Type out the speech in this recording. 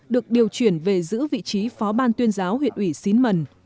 được điều chuyển về giữ vị trí phó ban tuyên giáo huyện ủy xín mần